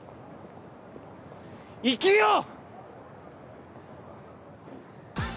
生きよう！